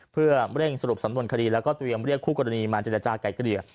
เพื่อเร่งสรุปสำนวนคดีแล้วก็เตรียมเรียกคู่กรณีมาเจรจากลายเกลี่ย